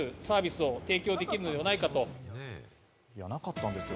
なかったんですよ。